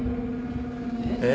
・・えっ？